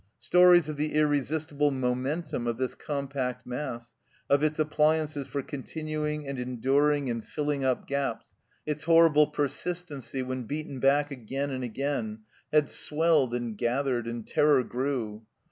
Stories of the irresistible momentum of this compact mass, of its appliances for continuing and enduring and filling up gaps, its horrible persistency when beaten back again and again, had swelled and gathered, and terror grew.